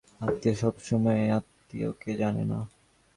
আত্মীয় সব সময় আত্মীয়কে জানে না।